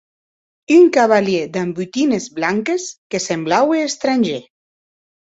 Un cavalièr damb botines blanques que semblaue estrangèr.